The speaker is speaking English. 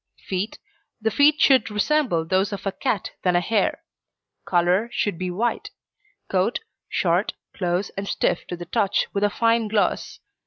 FEET The feet more resemble those of a cat than a hare. COLOUR Should be white. COAT Short, close, and stiff to the touch, with a fine gloss.